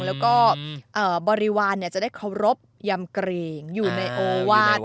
แล้วก็บริวารจะได้เคารพยำเกรงอยู่ในโอวาส